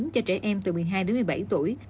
cho trẻ em từ một mươi hai đến một mươi bảy tuổi